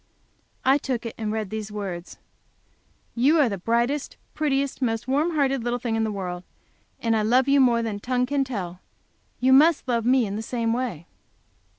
I took it, and read these words: "You are the brightest, prettiest, most warm hearted little thing in the world. And I love you more than tongue can tell. You must love me in the same way."